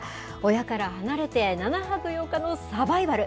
親から離れて７泊８日のサバイバル。